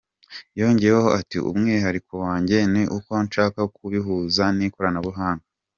Yongeyeho ati “Umwihariko wanjye ni uko nshaka kubihuza n’ikoranabuhanga.